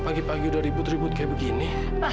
pagi pagi udah ribut ribut kayak begini